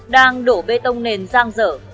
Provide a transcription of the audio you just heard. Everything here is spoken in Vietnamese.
đang đổ bê tông nền rang rở